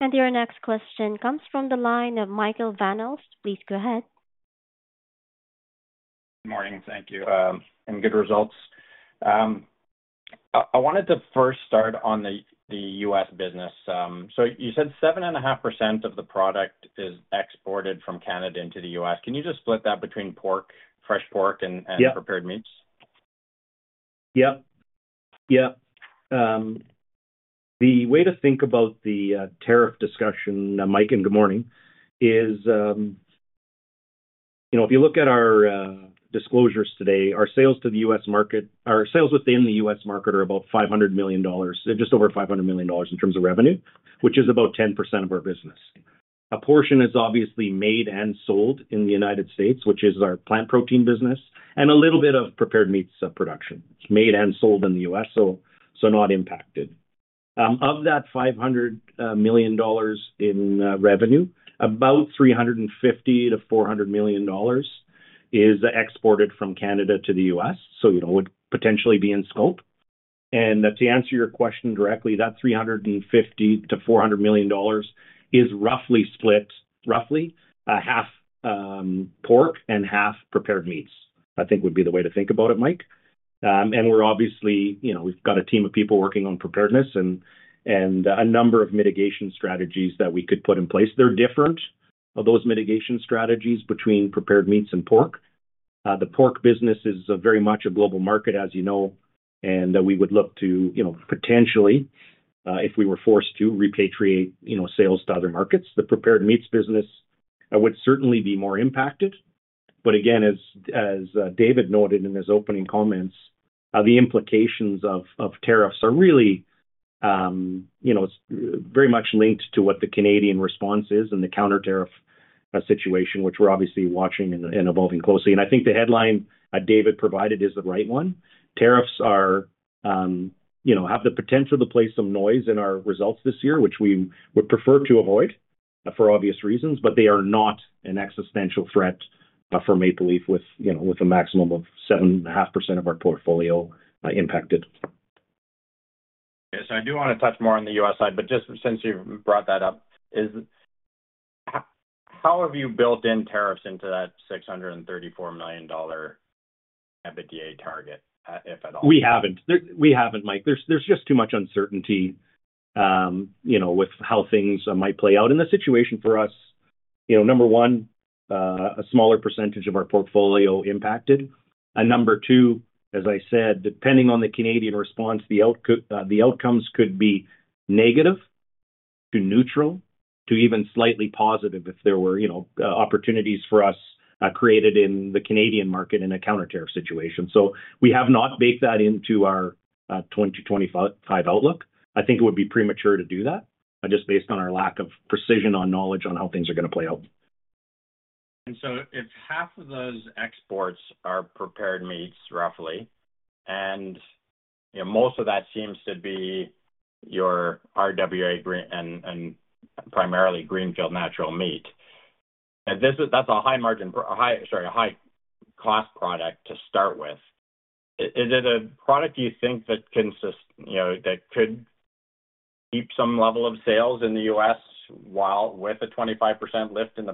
And your next question comes from the line of Michael Van Aelst. Please go ahead. Good morning. Thank you. And good results. I wanted to first start on the U.S. business. So you said 7.5% of the product is exported from Canada into the U.S. Can you just split that between Pork, fresh Pork, and Prepared Meats? Yeah. Yeah. Yeah. The way to think about the tariff discussion, Mike, and good morning, is if you look at our disclosures today, our sales to the U.S. market, our sales within the U.S. market are about $500 million, just over $500 million in terms of revenue, which is about 10% of our business. A portion is obviously made and sold in the United States, which is our Plant Protein business, and a little bit of Prepared Meats production. It's made and sold in the U.S., so not impacted. Of that $500 million in revenue, about $350 million-$400 million is exported from Canada to the U.S., so it would potentially be in scope. And to answer your question directly, that $350 million-$400 million is roughly split, roughly half Pork and half Prepared Meats, I think would be the way to think about it, Mike. We're obviously. We've got a team of people working on preparedness and a number of mitigation strategies that we could put in place. There are different for those mitigation strategies between Prepared Meats and Pork. The Pork business is very much a global market, as you know, and we would look to potentially, if we were forced to repatriate sales to other markets, the Prepared Meats business would certainly be more impacted. But again, as David noted in his opening comments, the implications of tariffs are really very much linked to what the Canadian response is and the counter tariff situation, which we're obviously watching very closely. I think the headline David provided is the right one. Tariffs have the potential to play some noise in our results this year, which we would prefer to avoid for obvious reasons, but they are not an existential threat for Maple Leaf with a maximum of 7.5% of our portfolio impacted. Okay. So I do want to touch more on the U.S. side, but just since you've brought that up, how have you built in tariffs into that 634 million dollar EBITDA target, if at all? We haven't. We haven't, Mike. There's just too much uncertainty with how things might play out. In the situation for us, number one, a smaller percentage of our portfolio impacted. And number two, as I said, depending on the Canadian response, the outcomes could be negative to neutral to even slightly positive if there were opportunities for us created in the Canadian market in a counter tariff situation. We have not baked that into our 2025 outlook. I think it would be premature to do that just based on our lack of precision on knowledge on how things are going to play out. If half of those exports are Prepared Meats roughly, and most of that seems to be your RWA and primarily Greenfield Natural Meat, that's a high margin, sorry, a high-cost product to start with. Is it a product you think that could keep some level of sales in the U.S. with a 25% lift in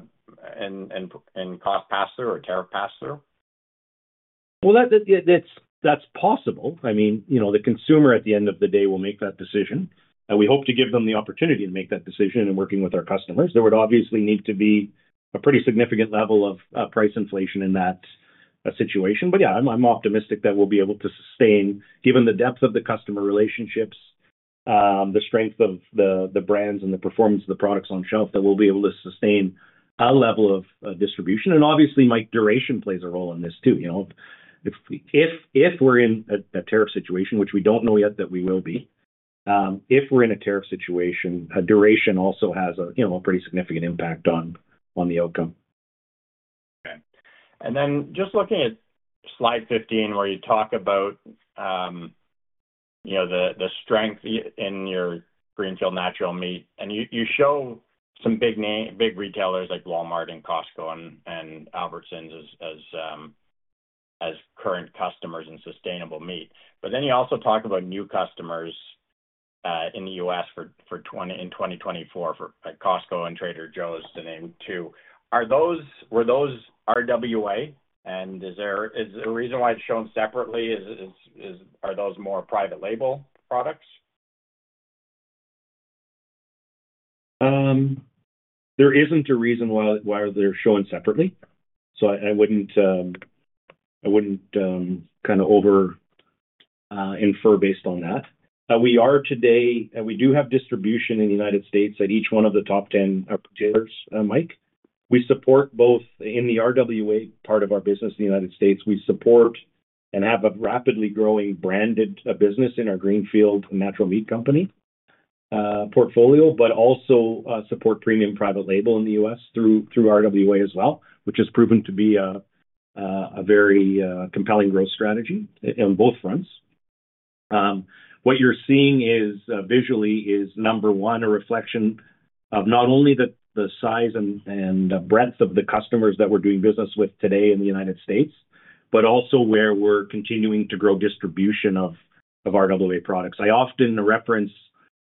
cost pass-through or tariff pass-through? That's possible. I mean, the consumer at the end of the day will make that decision, and we hope to give them the opportunity to make that decision and working with our customers. There would obviously need to be a pretty significant level of price inflation in that situation. But yeah, I'm optimistic that we'll be able to sustain, given the depth of the customer relationships, the strength of the brands, and the performance of the products on shelf, that we'll be able to sustain a level of distribution. And obviously, Mike, duration plays a role in this too. If we're in a tariff situation, which we don't know yet that we will be, if we're in a tariff situation, duration also has a pretty significant impact on the outcome. Okay. And then just looking at slide 15 where you talk about the strength in your Greenfield Natural Meat, and you show some big retailers like Walmart and Costco and Albertsons as current customers in sustainable meat. But then you also talk about new customers in the U.S. in 2024 for Costco and Trader Joe's is the name too. Were those RWA? Is there a reason why it's shown separately? Are those more private label products? There isn't a reason why they're shown separately. So I wouldn't kind of over-infer based on that. We are today. We do have distribution in the United States at each one of the top 10 retailers, Mike. We support both in the RWA part of our business in the United States. We support and have a rapidly growing branded business in our Greenfield Natural Meat Company portfolio, but also support premium private label in the U.S. through RWA as well, which has proven to be a very compelling growth strategy on both fronts. What you're seeing visually is, number one, a reflection of not only the size and breadth of the customers that we're doing business with today in the United States, but also where we're continuing to grow distribution of RWA products. I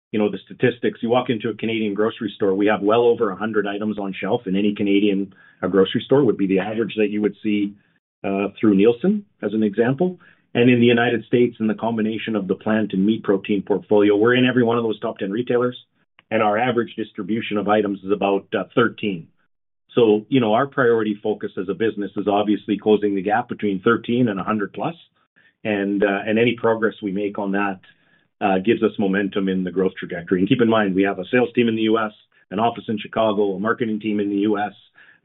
often reference the statistics. You walk into a Canadian grocery store. We have well over 100 items on shelf in any Canadian grocery store. Would be the average that you would see through Nielsen as an example. And in the United States, in the combination of the plant and meat protein portfolio, we're in every one of those top 10 retailers, and our average distribution of items is about 13. So our priority focus as a business is obviously closing the gap between 13 and 100+. And any progress we make on that gives us momentum in the growth trajectory. And keep in mind, we have a sales team in the U.S., an office in Chicago, a marketing team in the U.S.,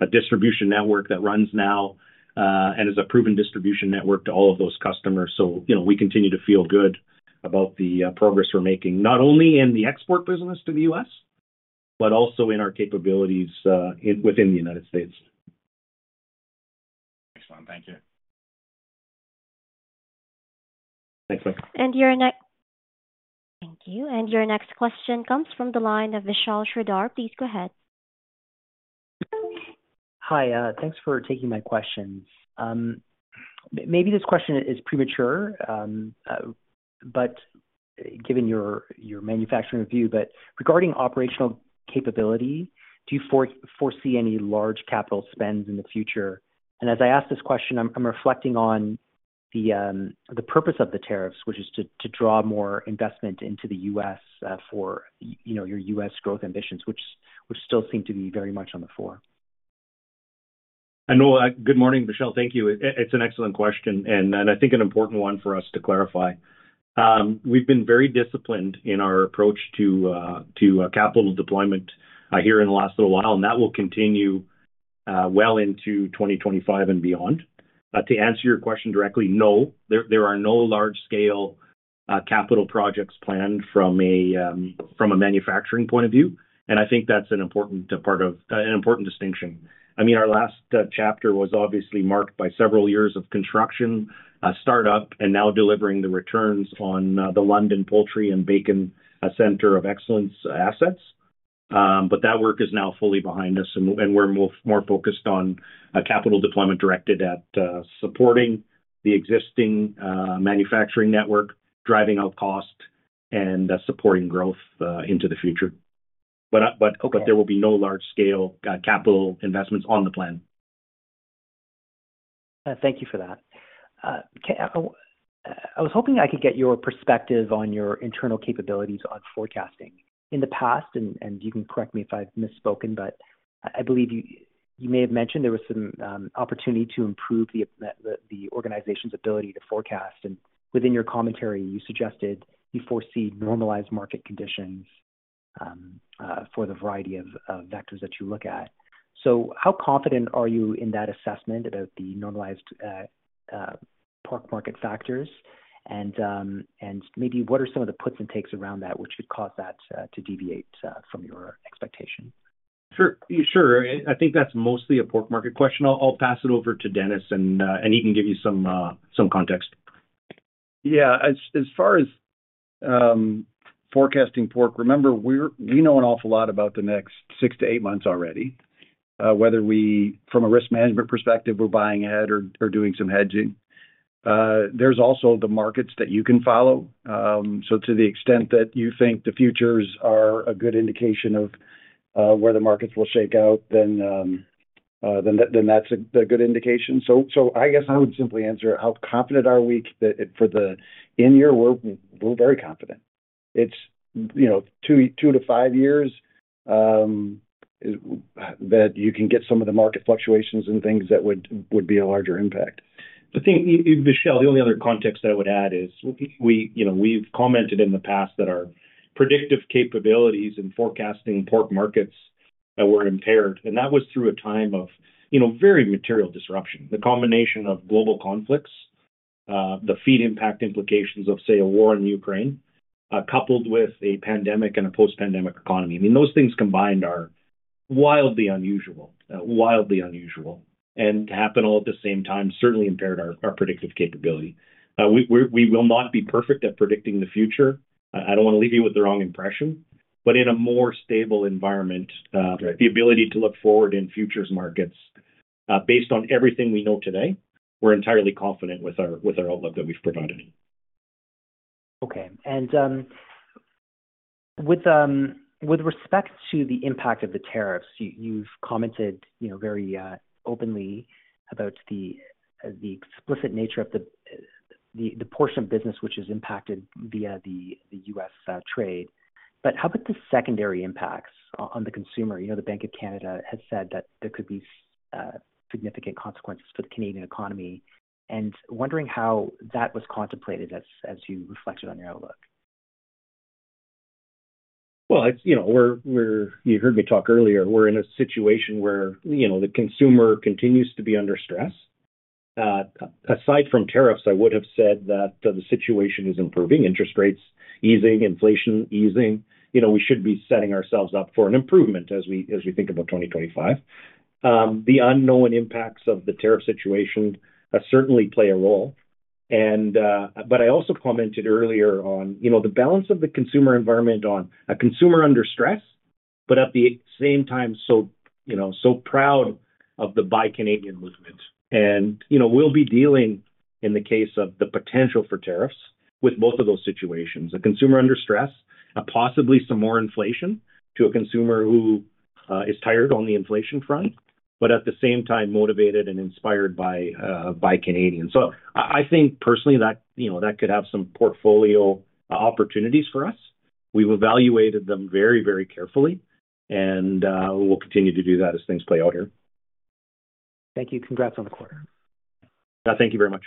a distribution network that runs now and is a proven distribution network to all of those customers. So we continue to feel good about the progress we're making, not only in the export business to the U.S., but also in our capabilities within the United States. Excellent. Thank you. Thanks, Mike. And your next question comes from the line of Vishal Shreedhar. Please go ahead. Hi. Thanks for taking my questions. Maybe this question is premature, but given your manufacturing review regarding operational capability, do you foresee any large capital spends in the future? And as I asked this question, I'm reflecting on the purpose of the tariffs, which is to draw more investment into the U.S. for your U.S. growth ambitions, which still seem to be very much on the forefront. Good morning, Vishal. Thank you. It's an excellent question, and I think an important one for us to clarify. We've been very disciplined in our approach to capital deployment here in the last little while, and that will continue well into 2025 and beyond. To answer your question directly, no, there are no large-scale capital projects planned from a manufacturing point of view, and I think that's an important part of an important distinction. I mean, our last chapter was obviously marked by several years of construction, startup, and now delivering the returns on the London Poultry and Bacon Centre of Excellence assets, but that work is now fully behind us, and we're more focused on capital deployment directed at supporting the existing manufacturing network, driving out cost, and supporting growth into the future, but there will be no large-scale capital investments on the plan. Thank you for that. I was hoping I could get your perspective on your internal capabilities on forecasting. In the past, and you can correct me if I've misspoken, but I believe you may have mentioned there was some opportunity to improve the organization's ability to forecast, and within your commentary, you suggested you foresee normalized market conditions for the variety of vectors that you look at, so how confident are you in that assessment about the normalized Pork market factors? And maybe what are some of the puts and takes around that which could cause that to deviate from your expectation? Sure. Sure. I think that's mostly a Pork market question. I'll pass it over to Dennis, and he can give you some context. Yeah. As far as forecasting Pork, remember, we know an awful lot about the next six to eight months already. Whether we, from a risk management perspective, we're buying ahead or doing some hedging. There's also the markets that you can follow. To the extent that you think the futures are a good indication of where the markets will shake out, then that's a good indication. I guess I would simply answer how confident are we for the in-year? We're very confident. It's two to five years that you can get some of the market fluctuations and things that would be a larger impact. I think, Vishal, the only other context that I would add is we've commented in the past that our predictive capabilities in forecasting Pork markets were impaired. That was through a time of very material disruption. The combination of global conflicts, the feed impact implications of, say, a war in Ukraine, coupled with a pandemic and a post-pandemic economy. I mean, those things combined are wildly unusual, wildly unusual. To happen all at the same time certainly impaired our predictive capability. We will not be perfect at predicting the future. I don't want to leave you with the wrong impression. In a more stable environment, the ability to look forward in futures markets, based on everything we know today, we're entirely confident with our outlook that we've provided. Okay. With respect to the impact of the tariffs, you've commented very openly about the explicit nature of the portion of business which is impacted via the U.S. trade. How about the secondary impacts on the consumer? The Bank of Canada has said that there could be significant consequences for the Canadian economy. Wondering how that was contemplated as you reflected on your outlook. You heard me talk earlier. We're in a situation where the consumer continues to be under stress. Aside from tariffs, I would have said that the situation is improving. Interest rates easing, inflation easing. We should be setting ourselves up for an improvement as we think about 2025. The unknown impacts of the tariff situation certainly play a role. But I also commented earlier on the balance of the consumer environment on a consumer under stress, but at the same time, so proud of the Buy Canadian movement. And we'll be dealing, in the case of the potential for tariffs, with both of those situations. A consumer under stress, possibly some more inflation to a consumer who is tired on the inflation front, but at the same time motivated and inspired by Buy Canadian. So I think personally that could have some portfolio opportunities for us. We've evaluated them very, very carefully, and we'll continue to do that as things play out here. Thank you. Congrats on the quarter. Thank you very much.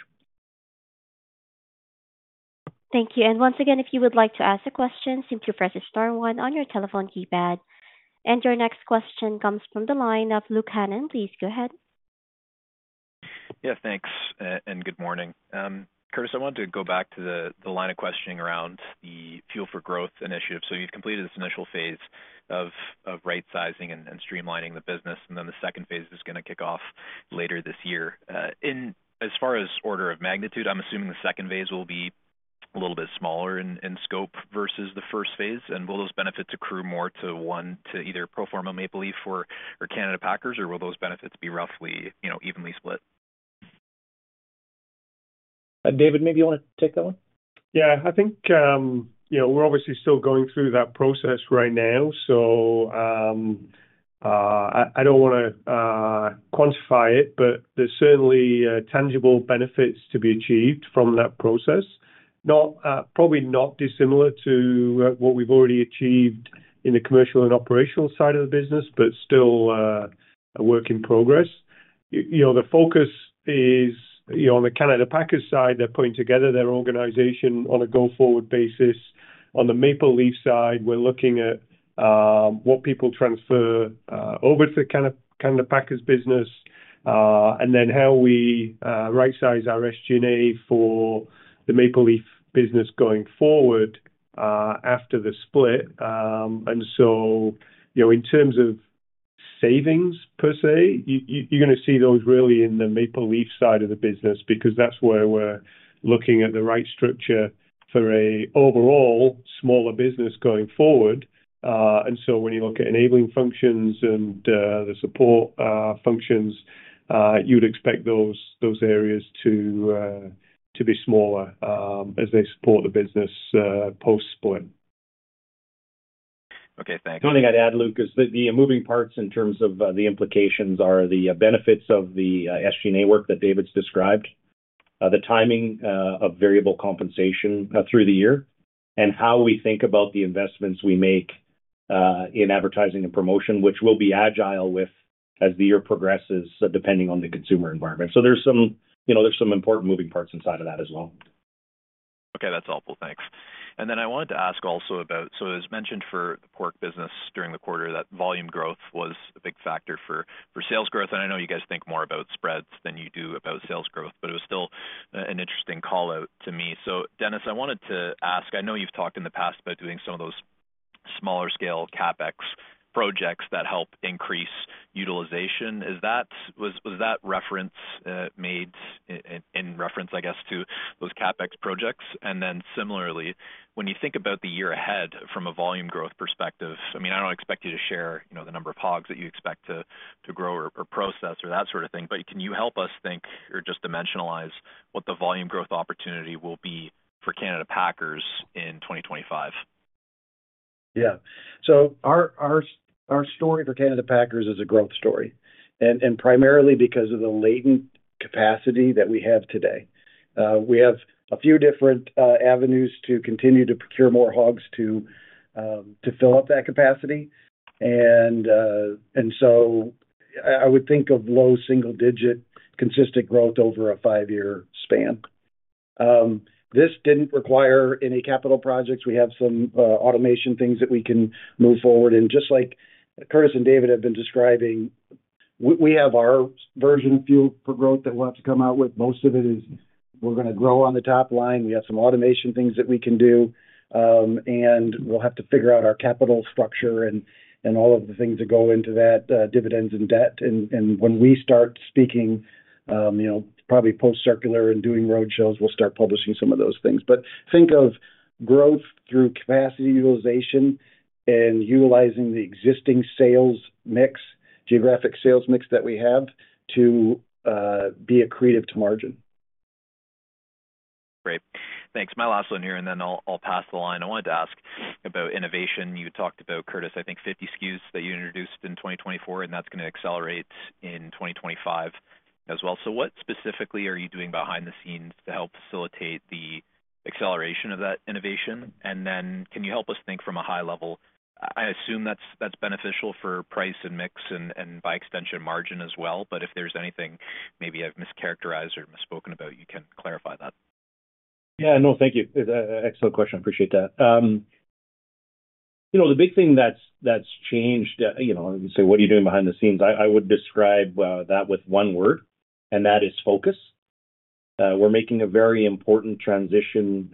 Thank you. And once again, if you would like to ask a question, simply press the star one on your telephone keypad. And your next question comes from the line of Luke Hannan. Please go ahead. Yeah. Thanks. And good morning. Curtis, I wanted to go back to the line of questioning around the Fuel for Growth initiative. So you've completed this initial phase of right-sizing and streamlining the business, and then the second phase is going to kick off later this year. As far as order of magnitude, I'm assuming the second phase will be a little bit smaller in scope versus the first phase. And will those benefits accrue more to either pro forma Maple Leaf or Canada Packers, or will those benefits be roughly evenly split? David, maybe you want to take that one? Yeah. I think we're obviously still going through that process right now. So I don't want to quantify it, but there's certainly tangible benefits to be achieved from that process. Probably not dissimilar to what we've already achieved in the commercial and operational side of the business, but still a work in progress. The focus is on the Canada Packers side. They're putting together their organization on a go-forward basis. On the Maple Leaf side, we're looking at what people transfer over to the Canada Packers business, and then how we right-size our SG&A for the Maple Leaf business going forward after the split, and so in terms of savings per se, you're going to see those really in the Maple Leaf side of the business because that's where we're looking at the right structure for an overall smaller business going forward. When you look at enabling functions and the support functions, you would expect those areas to be smaller as they support the business post-split. Okay. Thanks. The only thing I'd add, Luke, is that the moving parts in terms of the implications are the benefits of the SG&A work that David's described, the timing of variable compensation through the year, and how we think about the investments we make in advertising and promotion, which will be agile as the year progresses depending on the consumer environment. So there's some important moving parts inside of that as well. Okay. That's helpful. Thanks. Then I wanted to ask also about, so as mentioned for the Pork business during the quarter, that volume growth was a big factor for sales growth. And I know you guys think more about spreads than you do about sales growth, but it was still an interesting callout to me. So Dennis, I wanted to ask. I know you've talked in the past about doing some of those smaller-scale CapEx projects that help increase utilization. Was that reference made in reference to those CapEx projects, I guess? And then similarly, when you think about the year ahead from a volume growth perspective, I mean, I don't expect you to share the number of hogs that you expect to grow or process or that sort of thing, but can you help us think or just dimensionalize what the volume growth opportunity will be for Canada Packers in 2025? Yeah. So our story for Canada Packers is a growth story. And primarily because of the latent capacity that we have today. We have a few different avenues to continue to procure more hogs to fill up that capacity. And so I would think of low single-digit consistent growth over a five-year span. This didn't require any capital projects. We have some automation things that we can move forward. And just like Curtis and David have been describing, we have our version of Fuel for Growth that we'll have to come out with. Most of it is we're going to grow on the top line. We have some automation things that we can do. And we'll have to figure out our capital structure and all of the things that go into that, dividends and debt. And when we start speaking, probably post-circular and doing road shows, we'll start publishing some of those things. But think of growth through capacity utilization and utilizing the existing sales mix, geographic sales mix that we have to be accretive to margin. Great. Thanks. My last one here, and then I'll pass the line. I wanted to ask about innovation. You talked about, Curtis, I think 50 SKUs that you introduced in 2024, and that's going to accelerate in 2025 as well. So what specifically are you doing behind the scenes to help facilitate the acceleration of that innovation? And then can you help us think from a high level? I assume that's beneficial for price and mix and by extension, margin as well. But if there's anything maybe I've mischaracterized or misspoken about, you can clarify that. Yeah. No, thank you. Excellent question. I appreciate that. The big thing that's changed, I would say, what are you doing behind the scenes? I would describe that with one word, and that is focus. We're making a very important transition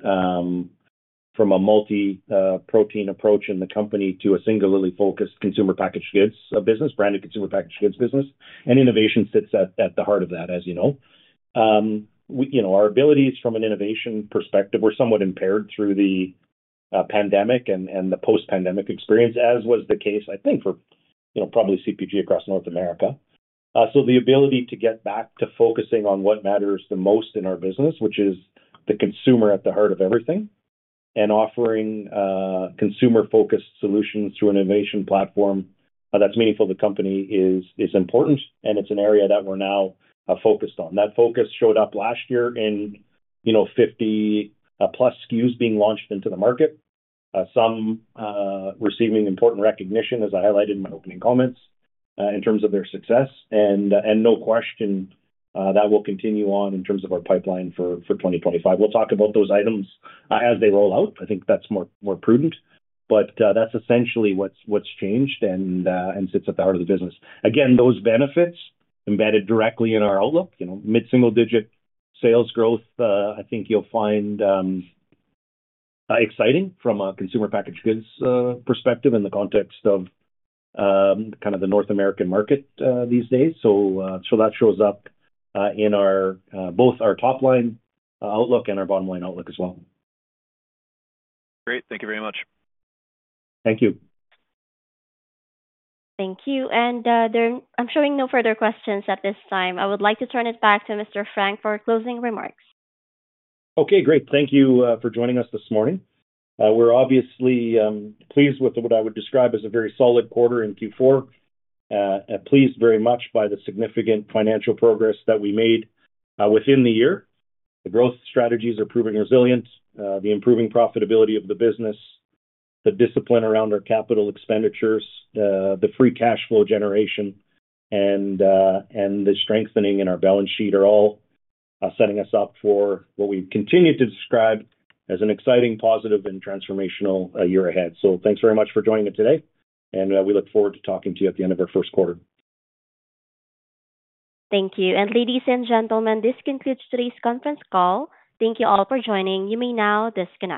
from a multi-protein approach in the company to a singularly focused consumer packaged goods business, branded consumer packaged goods business. And innovation sits at the heart of that, as you know. Our abilities from an innovation perspective, we're somewhat impaired through the pandemic and the post-pandemic experience, as was the case, I think, for probably CPG across North America. So the ability to get back to focusing on what matters the most in our business, which is the consumer at the heart of everything, and offering consumer-focused solutions through an innovation platform that's meaningful to the company is important. And it's an area that we're now focused on. That focus showed up last year in 50+ SKUs being launched into the market, some receiving important recognition, as I highlighted in my opening comments, in terms of their success. No question that will continue on in terms of our pipeline for 2025. We'll talk about those items as they roll out. I think that's more prudent. That's essentially what's changed and sits at the heart of the business. Again, those benefits embedded directly in our outlook, mid-single-digit sales growth, I think you'll find exciting from a consumer packaged goods perspective in the context of kind of the North American market these days. That shows up in both our top-line outlook and our bottom-line outlook as well. Great. Thank you very much. Thank you. Thank you. I'm showing no further questions at this time. I would like to turn it back to Mr. Frank for closing remarks. Okay. Great. Thank you for joining us this morning. We're obviously pleased with what I would describe as a very solid quarter in Q4, pleased very much by the significant financial progress that we made within the year. The growth strategies are proving resilient. The improving profitability of the business, the discipline around our capital expenditures, the free cash flow generation, and the strengthening in our balance sheet are all setting us up for what we continue to describe as an exciting, positive, and transformational year ahead. So thanks very much for joining us today. And we look forward to talking to you at the end of our first quarter. Thank you. And ladies and gentlemen, this concludes today's conference call. Thank you all for joining. You may now disconnect.